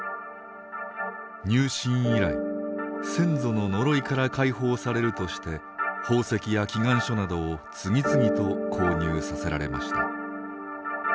入信以来先祖の呪いから解放されるとして宝石や祈願書などを次々と購入させられました。